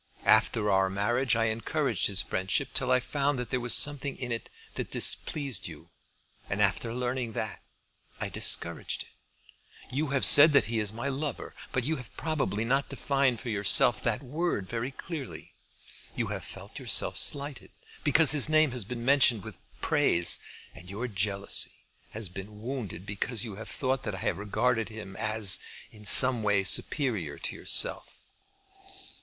After our marriage I encouraged his friendship till I found that there was something in it that displeased you, and, after learning that, I discouraged it. You have said that he is my lover, but you have probably not defined for yourself that word very clearly. You have felt yourself slighted because his name has been mentioned with praise; and your jealousy has been wounded because you have thought that I have regarded him as in some way superior to yourself.